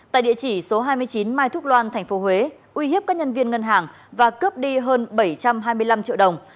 tại địa chỉ số hai mươi chín mai thúc loan tp huế uy hiếp các nhân viên ngân hàng và cướp đi hơn bảy trăm hai mươi năm triệu đồng